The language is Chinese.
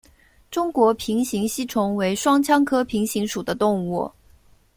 中国平形吸虫为双腔科平形属的动物。